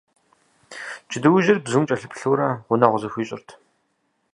Джэдуужьыр бзум кӀэлъыплъурэ, гъунэгъу зыхуищӀырт.